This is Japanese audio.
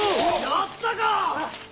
やったか！